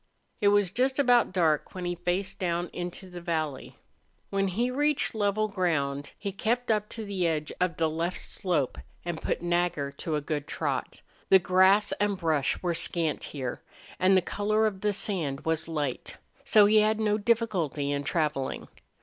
It was just about dark when he faced down into the valley. When he reached level ground he kept to the edge of the left slope and put Nagger to a good trot. The grass and brush were scant here, and the color of the sand was light, so he had no difficulty in traveling.